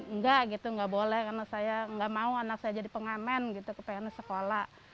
enggak gitu enggak boleh karena saya enggak mau anak saya jadi pengamen gitu ke pengennya sekolah